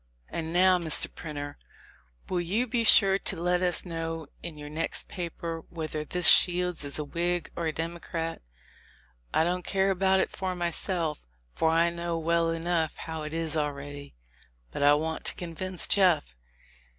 And now, Mr. Printer, will you be sure to let us know in your next paper whether this Shields is a Whig or a Democrat? I don't care about it for my self, for I know well enough how it is already; but I want to convince Jeff.